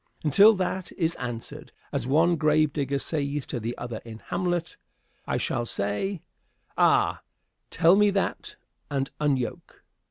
Until that is answered, as one grave digger says to the other in "Hamlet," I shall say, "Ay, tell me that and unyoke."